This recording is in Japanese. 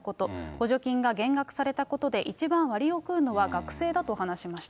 補助金が減額されたことで一番割を食うのは学生だと話しました。